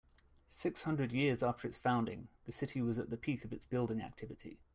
Six hundred years after its founding, the city was at the peak of its building activity.